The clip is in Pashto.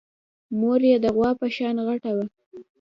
مور يې د غوا په شان غټه وه.